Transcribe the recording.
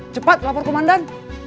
cepat lapor komandan